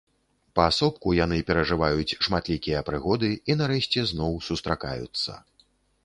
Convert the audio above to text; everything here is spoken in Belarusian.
Паасобку яны перажываюць шматлікія прыгоды і нарэшце зноў сустракаюцца.